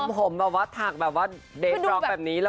ผมแบบว่าถักเดทล็อคแบบนี้เลย